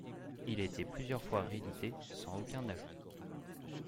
Il a été plusieurs fois réédité, sans aucun ajout.